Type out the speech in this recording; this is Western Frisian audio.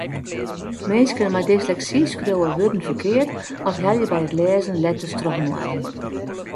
Minsken mei dysleksy skriuwe wurden ferkeard of helje by it lêzen letters trochinoar.